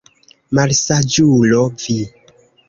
Malsaĝulo vi!